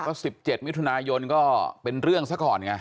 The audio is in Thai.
ก็๑๗มิถุนายนก็เป็นเรื่องซะก่อนไง